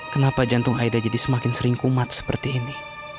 kenapa jantung aida jadi semakin sering kumat seperti ini